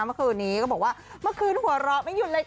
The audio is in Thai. เมื่อคืนนี้ก็บอกว่าเมื่อคืนหัวเราะไม่หยุดเลย